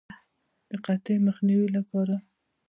د قحطۍ د مخنیوي لپاره.